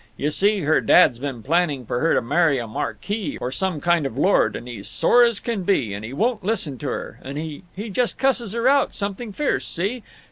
You see, her dad's been planning for her to marry a marquise or some kind of a lord, and he's sore as can be, and he won't listen to her, and he just cusses her out something fierce, see?